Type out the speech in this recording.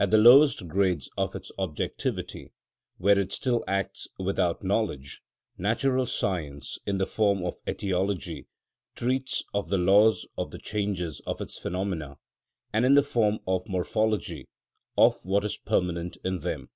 At the lowest grades of its objectivity, where it still acts without knowledge, natural science, in the form of etiology, treats of the laws of the changes of its phenomena, and, in the form of morphology, of what is permanent in them.